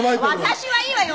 「私はいいわよ。